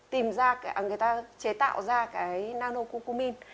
tìm ra người ta chế tạo ra cái nano cu cu min